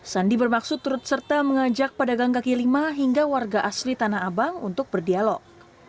sandi bermaksud turut serta mengajak pedagang kaki lima hingga warga asli tanah abang untuk berdialog